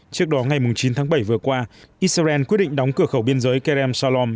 trước đó ngày chín tháng bảy vừa qua israel quyết định đóng cửa khẩu biên giới kerem salom